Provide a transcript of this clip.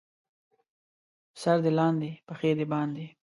سر دې لاندې، پښې دې باندې.